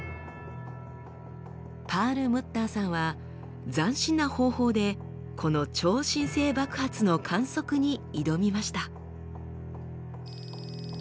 パールムッターさんは斬新な方法でこの超新星爆発の観測に挑みました。